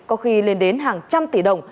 có khi lên đến hàng trăm tỷ đồng